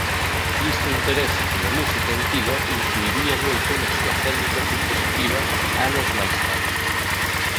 Este interese pola música antiga influiría moito na súa técnica compositiva anos máis tarde.